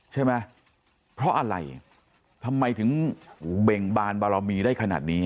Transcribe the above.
ใช่ไหมเพราะอะไรทำไมถึงเบ่งบานบารมีได้ขนาดนี้